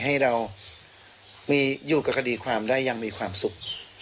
ให้เรามีอยู่กับคดีความได้ยังมีความสุข